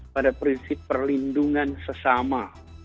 pada prinsip perlindungan sesama